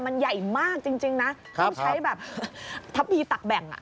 มันใหญ่มากจริงนะต้องใช้แบบทัพพีตักแบ่งอ่ะ